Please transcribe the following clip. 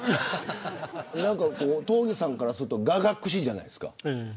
東儀さんからすると雅楽師じゃないですか。